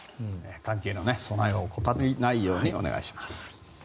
寒気への備えを怠りのないようにお願いします。